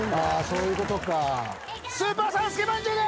そういうことか。